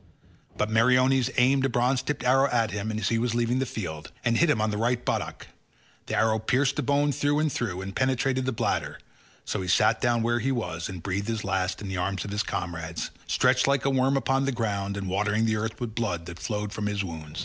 But Meriones aimed a bronze tipped arrow at him as he was leaving the field, and hit him on the right buttock; the arrow pierced the bone through and through, and penetrated the bladder, so he sat down where he was and breathed his last in the arms of his comrades, stretched like a worm upon the ground and watering the earth with the blood that flowed from his wound.